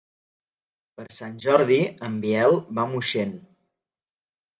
Per Sant Jordi en Biel va a Moixent.